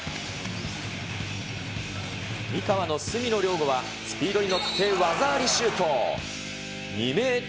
三河の角野りょうごは、スピードに乗って技ありシュート。